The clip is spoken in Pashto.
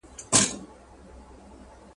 بې فایده وه چي وهله یې زورونه ..